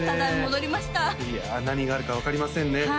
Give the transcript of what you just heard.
いや何があるか分かりませんね